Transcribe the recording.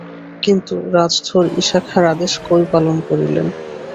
কিন্তু রাজধর ইশা খাঁর আদেশ কই পালন করিলেন।